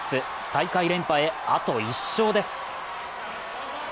大会連覇へ、あと１勝です。